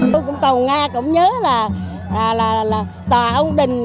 tôi cũng cầu nga cũng nhớ là tòa ông đình